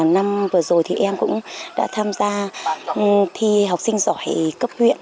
năm vừa rồi thì em cũng đã tham gia thi học sinh giỏi cấp huyện